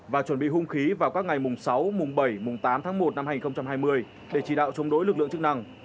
và chuẩn bị hung khí vào các ngày mùng sáu mùng bảy mùng tám tháng một năm hai nghìn hai mươi để chỉ đạo chống đối lực lượng chức năng